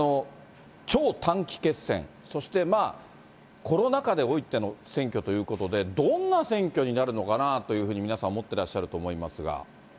超短期決戦、そしてコロナ禍においての選挙ということで、どんな選挙になるのかなと、皆さん思ってらっしゃると思いますが。